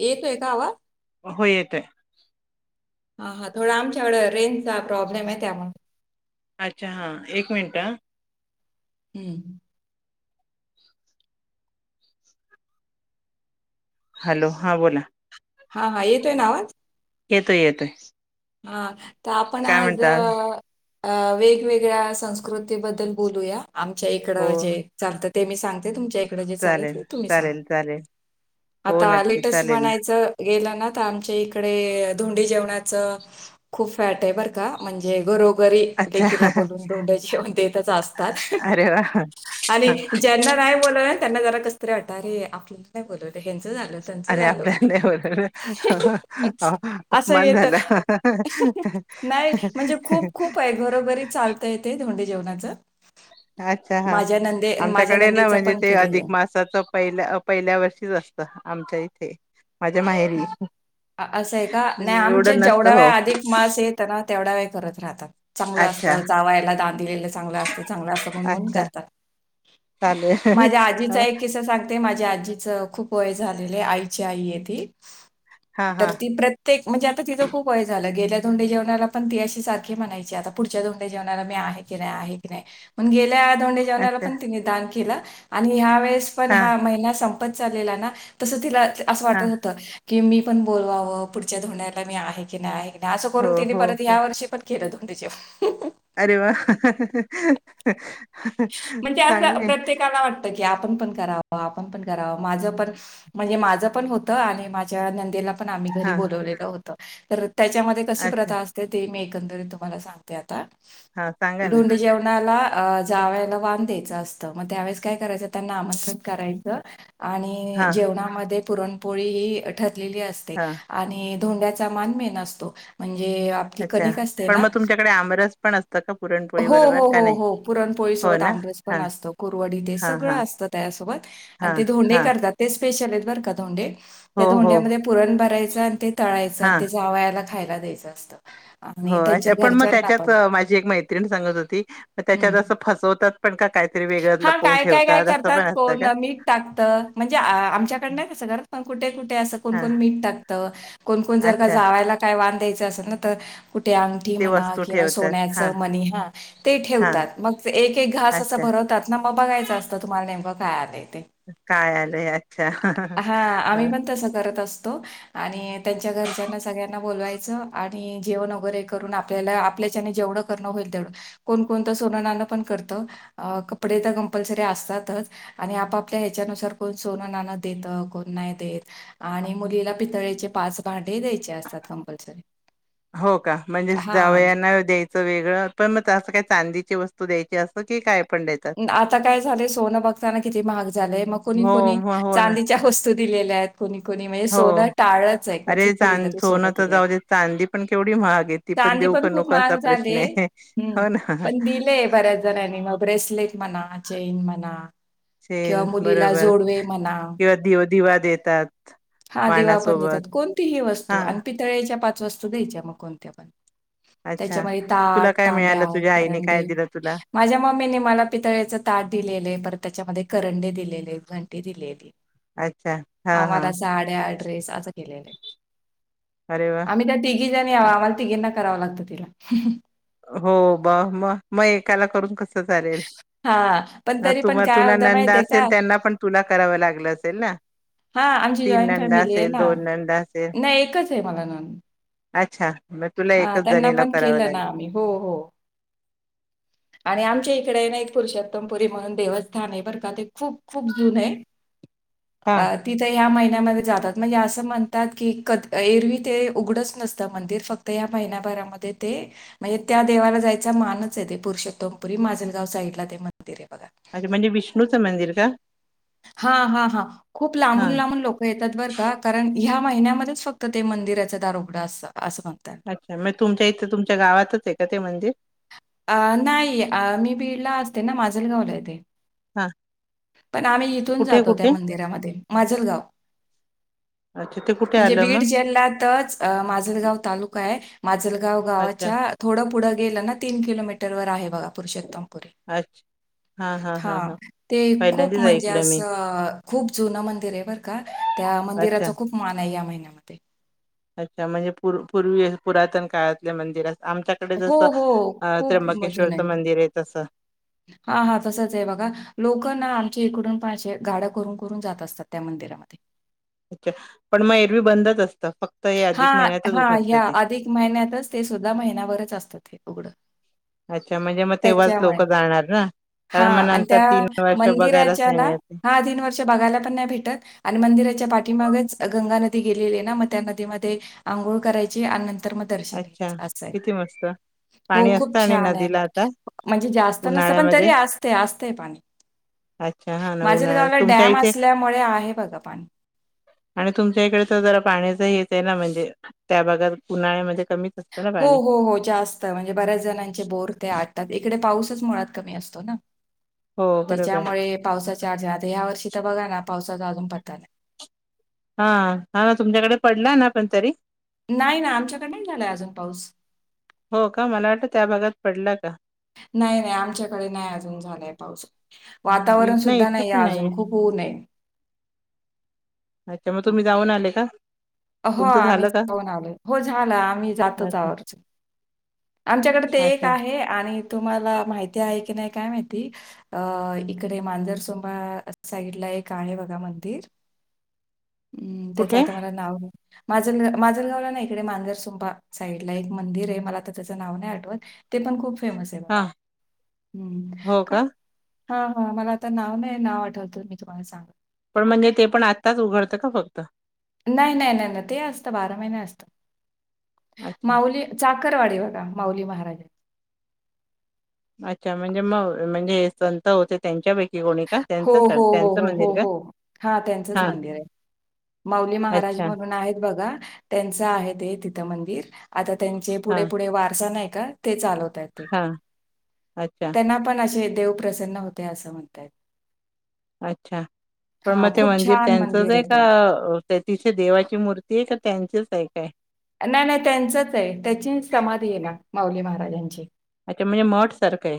येत आहे का आवा हो येतोय. हा हा थोडं आमच्याकड रेंजचा प्रॉब्लेम आहे, त्यामुळे अच्छा, हा एक मिनट ह. हम्म. हॅलो हा बोला, हा हा येतोय आवाज, येतोय-येतोय, हा तर आपण आज वेगवेगळ्या संस्क कृती बद्दल बोलू या आमच्या इकड हो जे चालतं ते मी सांगते तुमच्या तड जे चाल चालेल ते तुम्ही सांग चालेल चालेल हो आता नक्की आलेटस चालेल ना म्हणायच गेलं ना तर आमच्या इकडे धोंडे जेवनाच खूप फॅट आहे बर का म्हणजे ग वरी देखीलला अच्छा बोलून धोंड्याची देतच असतात अरे वा आणि ज्यांना नाहीय बोलव त्यांना जरा कस तरी वाटत अरे आपलं नाही बोल हच झाल त्यांचं अरे झाल आपल्याला एवढं असं य अपमान तर झाला नाही म्हणजे खूप-खूप आहे घरोघरी चालतय ते धोंडे जेवणाच अच्छा हा, माझ्या आमच्याकडे ना नंदेचं म्हणजे पण ते केलेलं अधिक आहे. मासाचं पहिल्या पहिल्या वर्षीच असतं आमच्या इथे, माझ्या माहेरी, असं आहे का नाही म्हणजे आमच्या एवढं नसतं जेवढ्या वे हो अधिक मास येत ना तेवढ्या वेळ करत राहतात चांगलं असत अच्छा चावायला दान चग अस चग अस अच्छा करतात [inaudible] चालेल माझ्या आजीचा एक क ते माझ्या आजीचं खूप वय झालेले आईची आई आहे ती हा तर हा ती प्रत्येक म्हणजे आता तिचं खूप वय झालं गे धोंडे जेवणाला पण त सारखे म्हणाय आता पुढच्या धोंडे जेवणाला मी आहे की नाही आहे की नाहीे जेवणा अच्छा पण दान के आणि ह वस पण हा म पण चालेल ना तस तिला अस हा वाटत कि मी पण बवावं पुढच्या धोंडला मी आहे की नाही आहे आणि असं हो करून तिने हो परत हो या वर्षी पण केलं दोन तिच्या अरे वा म्हणजे चांगलं असं आहे. प्रत्येकाला वाटत क क आपण पण करावं आपण पण करावं माझ पण म्हणजे माझं पण होत आणि माझ्या नंदेला पण आम्ही घरी हां, बोवलं होत तर त्याच्यामध्ये कशी अच्छा. प्रथा असते ते मी एकंदरीत तुम्हाला सांगते. हां, सांगा ना. जेवणा, ज्या वळेला वान द्यायचं असतं मग त्यावेळेस काय करायचं त्यांना आमंत्रण करायचं आणि हां, जेवणामध्ये पुरणपोळी ही ठरलेली असते हां. आणि धोंयाचा मान मेन असतो. म्हणे आपली अच्छा. कनिक असते पण ना मग तुमच्याकडे आमरस पण असतं का [inaudible] पुरणपोळी हो हो बरोबर का हो नाही? हो, पुरणपोळी हो सोबत ना? आमबज पण हां, असत कुरवडी ते हां, सगळं हां, असतं त्यासोबत आणि हां, ते धोंडे हां. करतात ेशल बर का ोंडे हो, त्या हो. धोंड्यामध्ये पुरण भरायच आणि ते हां, तळायचला खायला द्यायचं असतं, हो आणि अच त्यांच्या पण मग घरच्यांना त्याच्यात पण. माझी एक मैत्रण सांगत होती हं. त्याच्यात अस फसवतात पण का काहीतरी वेगळं हां, लपून काय, काय, काय ठेवतात असं पण असत का ण आमच्याकड नाहीर कुठे कुठे अस कोण हां, कोण मीठ टाकतं कोण कोण जर का अच्छा. जावायला कायांधायच ना तर कुठे अंगठी ती म्हणा वस्तू किंवा ठेवतात. सोन्याच हां, मनिहा ते हां. ठेवतात. मग एक एक घास अच्छा. [inaudible] काय आलंय? अच्छा. हा आम्ही ह पण तसं करत असतो त्यां घरच्या सगळ्यांना बच आणि जेवण वगरे कर आपल्या त्याच्या नी जेवढ करण हाईल तेवढ फक्त सोन नान करत कपडे तर कंपलसरी असत आणि आपआपल्या हेच्या साठी सोनं ना देत कोण नाही देत आणि मुलीला पितळेचे पाच भां असतात कंपल्सरी, हो का म्हणजे हा जावयाना द्यायचं वेगळं पण मग असं काय चांदी ती वस्तू द्यायची असं की काय पण देतात आता काय झालंय सोनं बघताना किती महाग झालेय मग कोणी हो कोणी हो हो ना चांदीच्या वस्तू दिलेल्या आहेत. कोणी कोणी म्हणजे हो सोनं टाळलंच आहे क्वचित अरे चां कोणीला सोनं तर दिलंय जाऊ दे चांदी पण केवढी महाग आहे ती चांदी देऊ का पण खूप नको असा महाग प्रश्न झाली आहे हम्म हो ना पण दिलेय बऱ्याच जणांनी मग ब्रेस लेट म्हणा, चैन म्हणा चैन किंवा मुलीला बरोबर जोडवे म्हणा किंवा दिव दिवा देतात हा दिवा पण वाणासोबत देतात कोणतीही वस्तू हा आणि पितळेच्या पाच वस्तू द्यायच्या मग कोणत्या पण अच्छा त्याच्यामध्ये तुला ताट, काय मिळालं तांब्या, तुझ्या आईने काय करंडे दिलं तुला माझ्या मम्मीने मला पितळ्याच ताट दिलेलं आहे बरं त्याच्यामध्ये करंडे दिलेले, घंटी दिलेली अच्छा हा हा. आम्हाला साड्या, ड्रेस अस केलेलंय. अरे वा आम्ही तर तिघी जणी आम्हाला तिघींना कराव लागत तिला हो बघ म मग एकाला करून कस चालेल हा पण तरी पण म काय तुला होतं नंदा माहितीये का असेल त्यांना पण तुला करावं लागलं असेल ना? हां, आमची तीन जॉइंट नंदा असेल दोन नंदा असेल [unintelligible] अच्छा मग तुला हा एकच त्यांना जणीला पण करावं केलं ना लागेल आम्ही. हो हो. आणि आमच्या इकडे नाही पुरषोत्तमपुरी म्हणून देवस्थान आहे बर का ते खूप खूप जुनं आहे हा अ तिथं ह्या महिन्या जातात म्हणजे असं म्हणतात की एरवी ते उघडच नसतं मंदिर फक्त या महिन्यामध्ये [unintelligible] म्हणजे त्या देवाला जायचा मानच आहे ते पुरुषोत्तमपुरी माजलगाव साईड ला ते मंदी म्हणजे म्हणजे विष्णूचं मंदिर का? हा हा हा खूप हा लांबून लांबून लोक येतात बरं का कारण ह्या महिन्यामध्येच फक्त ते मंदिराचा दार उघड असत. अच्छा, मग तुमच्या इथे तुमच्या गावातच आहे का ते मंदिर? अ नाही मी बीडला असते ना माझलगावला आहे ते. हा. पण आम्ही इथून कुठे जातो त्या कुठे मंदिरामध्ये माझलगाव अच्छा ते कुठे म्हणजे आलं बीड मग जिल्ह्यातच माजलगाव तालुका आहे माजलगाव अच्छा गावाच्या थोडं पुढं गेलं ना तीन किलोमीटरवर आहे बघा पुरुषोत्तम पुरी, अच्छा हा. ते खूप पहिल्यांदाच म्हणजे ऐकलं मी असं खूप जुनं मंदिर आहे बरं का त्या अच्छा मंदिराचा खूप मान आहे या महिन्यामध्ये अच्छा म्हणजे पूर्वी पुरातन काळातले मंदिर अस आमच्याकडे हो, जसं हो. त्र्यंबकेश्वरचं मंदिर आहे तसं. हा हा तसच आहे बघा लोक ना आमची इकडून पाशे गाड्या करून करून जात असतात त्या मंदी रामधे ओके पण मग एरवी बंदच असत हा ह्या ह्या अधिक महिन्यातच ते सुद्धा महिन्याभरच असतं ते उघडं अच्छा म्हणजे मग तेव्हाच लोक जाणार ना हा कारण मग आणि नंतर त्या तीन वर्ष बघायलाच मंदिराच्या नाही ना मिळत ते मला तीन वर्ष बघायला पण नाही भेटत आणि मंदिराच्या च्या पाठीमागच गंगा नदी गेलेली ना मग त्या नदी मधे अंघोळ करायची आणि नंतर नंतर मग दर्शन अच्छा घ्यायचं असं आहे. किती मस्त हो, पाणी खूप असतं आणि छान आहे नदीला आता म्हणजे जास्त नस पण तरी उन्हाळ्यामध्ये असतं असतय पाणी अच्छा हा ना उन्हाळ्या माजलगावला तुमच्या डॅम इथे असल्यामुळे आहे बघा पाणी आणि तुमच्या इकडे तर जरा पाण्याच हेच आहे ना म्हणजे त्या भागात [unintelligible] असतं ना हो पाणी हो हो जास्त म्हणजे बऱ्याच जणांचे बोर ते आटातात इकडे पाऊस पाऊस मुळात कमी असतो ना हो बरोबर त्यामुळे पावसाच्या अर् या वर्षी बघा ना पावसाचा अजून पत्ता नाही. हा हा ना तुमच्याकडे पडला ना पण तरी नाही ना आमच्याकडे नाही झालाय अजून पाऊस हो का मला वाटतं त्या भागात पडला का नाही नाही आमच्याकडे नाही अजून झालाय पाऊस हं, इथ वातावरण सुद्धा इथं नाही पण आहे नाहीये अजून खूप ऊन ये अच्छा मग तुम्ही जाऊन आले का हो तुमचं आम्ही झालं का जाऊन आलो हो झाला आम्ही जातोच अच्छा आवरच आमच्याकडे ते एक अच्छा आहे आणि तुम्हाला माहिती आहे की नाही काय माहिती अ इकडे मांजरसोबा साईड ला एक आहे बघा मंदिर हम्म त्याच कुठे आता मला नाव माझ माझल गावला ना इकडे मांजरसंपा साईड ला एक मंदिर आहे मला त्या नाव नाही आठवत ते पण खूप फेमस आहे ब हा ह् हो काय का हा हा मला आता नाव नाही नाव आठवतं मी तुम्हाला सांगत पण म्हणजे ते पण आत्ताच उघडतं का फक्त नाही नाही नाही नाही ते असत बारा महिने असत अच्छा माऊली चा आकरवाडी बघा माऊली महाराज अच्छा म्हणजे मग म्हणजे संत होते त्यांच्यापैकी कोणी का हो त्यांच हो हो त्यांचं हो हो मंदिर का हो हा त्यांचंच हा मंदिर आहे माऊली महाराज अच्छा म्हणून आहेत बघा त्यांच आहे ते तिथं मंदिर आता त्यांचे हा पुढे पुढे वारसा नाही का ते चालवतय ते हा अच्छा त्यांना पण असे देव प्रसन्न होते असं म्हणताय अच्छा पण मग ते खूप मंदिर छान त्यांचंच मंदिर आहे ते. का तिथ देवाची मूर्ती आहे का त्यांचीच का काय नाही नाही त्यांचच आहे त्याची समाधी आहे ना माऊली महाराजांची अच्छा म्हणजे मठ सारखं आहे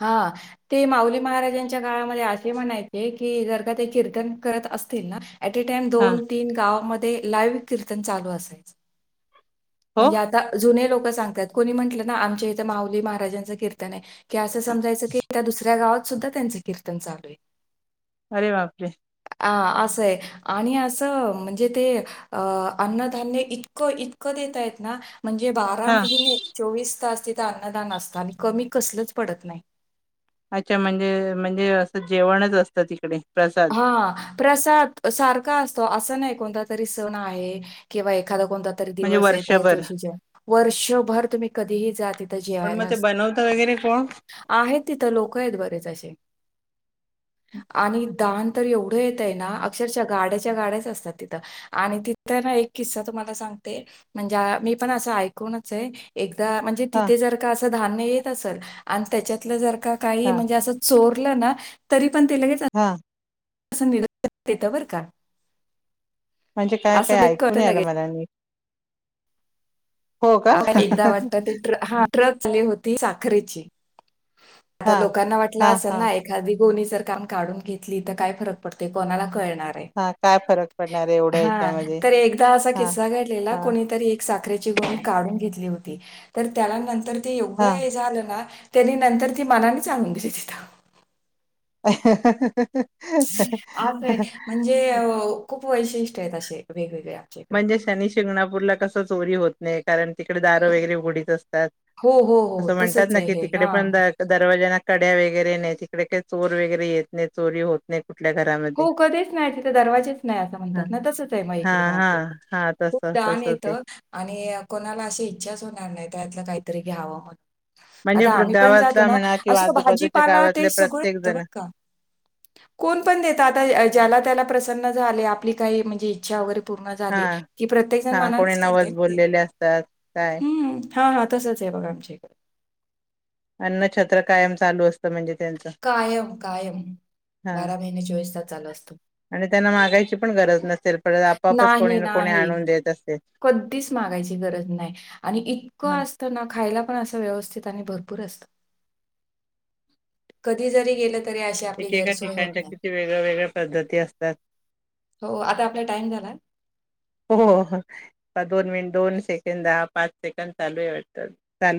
हा ते माऊली महाराजांच्या काळामध्ये असे म्हणायचे कि जर का ते कीर्तन करत असतील ना एटटाइम हा दोन तीन गावामध्ये ते लाइव कीर्तन चालू असायच हो सांगात कोणी म्हटलं ना आमच्या इथं माऊली महाराजांच कीर्तन आहे कि असं समजायचं की त्या दुसऱ्या गावात सुद्धा त्यांच कीर्तन चालू आहे अरे बापरे ह असंय आणि असं म्हणजे ते अ अन्नधान्य इतकं इतकं ते घेता येत ना म्हणजे बारा हा महिने चोवीस तास तिथं अन्नदान असतं आणि कमी कसलच पडत नाही अच्छा म्हणजे म्हणजे असं जेवणच असतं तिकडे प्रसाद हा प्रसाद सारखा असतो असं नाही कोणता तरी सण आहे किंवा एखादा कोणता तरी म्हणजे दिवस आहे त्याच वर्षभर दिवशीच्या वर्षभर तुम्ही कधीही जात तिथं जेवायलाच अस नव्हत वगैरे कोण आहेत तिथं लोक आहेत बरेच असे आणि लहान तर एवढं येत आहे ना अक्षरक्षा गाड्याच्या गाड्याच असतात तिथं आणि तिथं ना एक किस्सा तुम्हाला सांगते म्हणजे मी पण अस ऐकूनचे एक म्हणजे हा तिथे जर का धान्य येत असेल आणि त्याच्यातल जर का काही हा म्हणजे अस चोर [unintelligible] ना तरी पण ते लगेच हा निरोक्षेतवर का म्हणजे काय असं काय म्हणजे ऐकू कळतं नही आल लगेच मला मी एकदा वाटत ते ट्रक ती साखरेची आता हा लोकांना वाटल हा असल हा ना एखादी कोणी जर काम काढून घेतली तर काय फरक पडतो कोणाला कळणार हाय हा काय फरक पडणार आहे एवढ्या हा ह्याच्यामध्ये तर एकदा असा हा किसा घडलेला हा कोणीतरी एक साखरेची गोणी काढून घेतली होती तर त्याला नंतर ते योगं हा हे झालं ना त्यानी नंतर ती मनाने सांगून त चिथ अ ह ह आल आहे म्हणजे अ खूप वैशिष्ट्य आहेत अशे वेगवे म्हणजे शनी शिंगणापूरला कसं चोरी होत नाही कारण तिकडे दारं वगैरे उघडीच अस हो, हो, असं हो, म्हणतात तसंच ना आहे की हे. तिकडे हां. पण दरवाजा ना कड्या वगैरे नाही तिकडे काही चोए वगैरे येत नाही चोरी होत नाही कुठल्या घरामध्ये हो कधीच नाही तिथे दरवाजेच नाही असं हा म्हणतात ना तसंच आहे मग हा इकडेण. हा हा तस खूप दान तस येत ते आणि कोणाला अशी इच्छाच होणार नाही त्यातलं काही तरी घ्यावं म्ह म्हणजे आता प्र- आम्ही पण जातो गावातला ना म्हणा किंवा असं आजूबाजूच्या भाजीपाला ते गावातले सगळं प्रत्येक यत बर जण का कोण पण देत आता ज्याला त्याला प्रसन्न झाले आपली काही म्हणजे इच्छा वगैरे पूर्ण हा झाली कि प्रत्येक जण हा कोणी मनानेच नवस करते ते बोललेले असतात काय हम् हा हा तसच आहे बघा आमच्या इकडे अन्न छत्र कायम चालू असतं म्हणजे त्यांचं कायम कायम हा बारा महिने चोवीस तास चालू असत आणि त्यांना मागायची पण गरज नसेल पर आपापच कोणी नाही, ना कोणी नाही. आणून देत असतय कधीच मागायची गरज नाही आणि हा इतकं असत ना खायला पण असं व्यवस्थित आणि भरपूर पुर अरतकधी जरी गेलं तरी अशी आपली एकेका गैरसोय होत ठिकाणच्या नाही. किती वेगळ्या वेगळ्या पद्धती असतात हो आता आपला टाइम झाला हो दोन मिनिट दोन सेकंड दहा पाच सेकंड चालू आहे वाटतं चालू